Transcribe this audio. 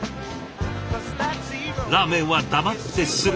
ラーメンは黙ってすする。